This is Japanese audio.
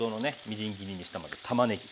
みじん切りにしたたまねぎ。